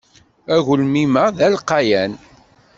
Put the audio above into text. Agelmim-a d alqayan.